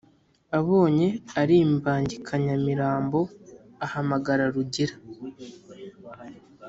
Abonye ari imbangikanyamirambo ahamagara Rugira